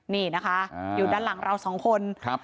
นี่นะคะอยู่ด้านหลังเราสองคน